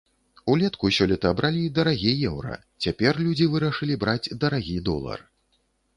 Улетку сёлета бралі дарагі еўра, цяпер людзі вырашылі браць дарагі долар.